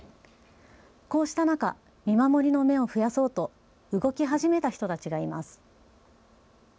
こうした中、見守りの目を増やそうと動き始めた人たちがいます。